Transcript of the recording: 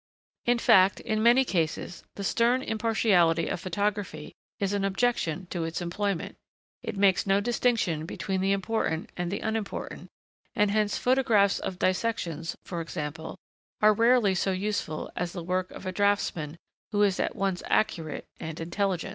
In fact, in many cases, the stern impartiality of photography is an objection to its employment: it makes no distinction between the important and the unimportant; and hence photographs of dissections, for example, are rarely so useful as the work of a draughtsman who is at once accurate and intelligent.